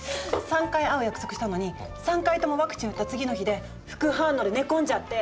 ３回会う約束したのに３回ともワクチン打った次の日で副反応で寝込んじゃって。